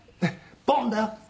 ボーンだよ」